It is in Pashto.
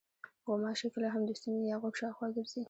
غوماشې کله هم د ستوني یا غوږ شاوخوا ګرځي.